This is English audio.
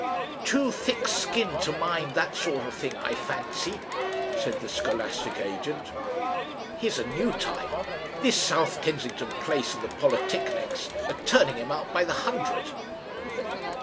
"Too thick skinned to mind that sort of thing, I fancy," said the scholastic agent. "He's a new type. This South Kensington place and the polytechnics an turning him out by the hundred...."